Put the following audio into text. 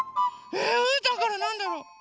えうーたんからなんだろ？